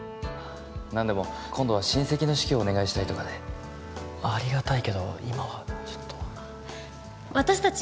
何でも今度は親戚の式をお願いしたいとかでありがたいけど今はちょっと私たち